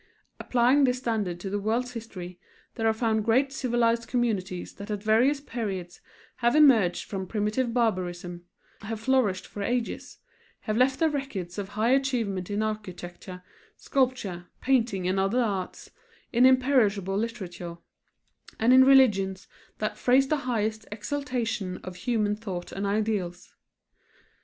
Applying this standard to the world's history there are found great civilized communities that at various periods have emerged from primitive barbarism, have flourished for ages, have left their records of high achievement in architecture, sculpture, painting and other arts, in imperishable literature, and in religions that phrase the highest exaltation of human thought and ideals.